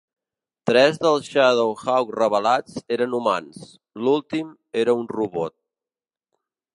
Tres dels ShadowHawks revelats eren humans, l'últim era un robot.